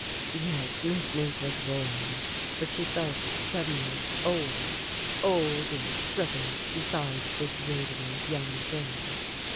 Yes, Miss Mink was warm, but she felt suddenly old, old and shrivelled beside this radiant young thing.